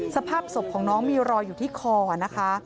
สภาพศพของน้องมีรอยอยู่ที่คอนะคะ